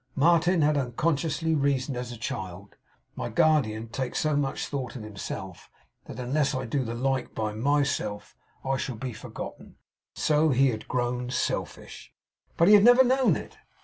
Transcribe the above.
Martin had unconsciously reasoned as a child, 'My guardian takes so much thought of himself, that unless I do the like by MYself, I shall be forgotten.' So he had grown selfish. But he had never known it.